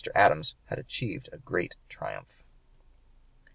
Adams had achieved a great triumph.